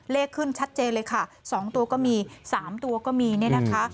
เลขขึ้นชัดเจนเลยค่ะ๒ตัวก็มี๓ตัวก็มีเนี่ยนะคะ